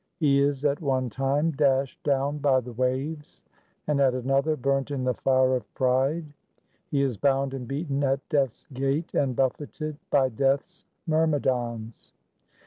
He is at one time dashed down by the waves, and at another burnt in the fire of pride. He is bound and beaten at death's gate and buffeted by Death's myrmidons.